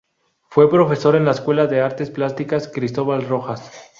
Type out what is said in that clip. Fue profesor en la Escuela de Artes Plásticas Cristóbal Rojas.